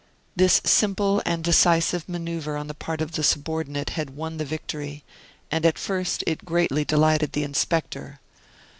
This simple and decisive maneuvre on the part of the subordinate had won the victory, and at first it greatly delighted the inspector.